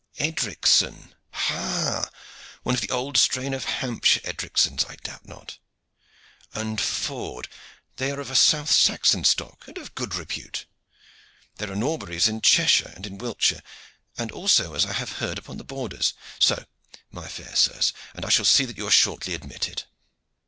Edricson! Ha! one of the old strain of Hampshire Edricsons, I doubt not. And Ford, they are of a south Saxon stock, and of good repute. There are Norburys in Cheshire and in Wiltshire, and also, as I have heard, upon the borders. So, my fair sirs, and I shall see that you are shortly admitted."